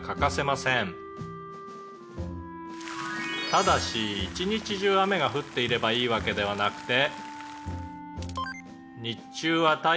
「ただし１日中雨が降っていればいいわけではなくて」